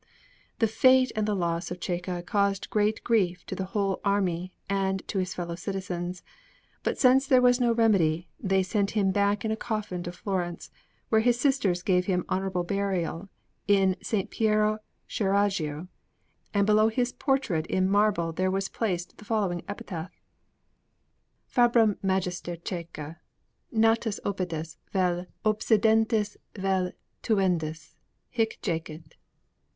The fate and the loss of Cecca caused great grief to the whole army and to his fellow citizens; but since there was no remedy, they sent him back in a coffin to Florence, where his sisters gave him honourable burial in S. Piero Scheraggio; and below his portrait in marble there was placed the following epitaph: FABRUM MAGISTER CICCA, NATUS OPPIDIS VEL OBSIDENDIS VEL TUENDIS, HIC JACET.